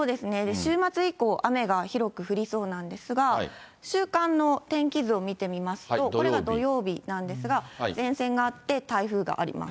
週末以降、雨が広く降りそうなんですが、週間の天気図を見てみますと、これが土曜日なんですが、前線があって、台風があります。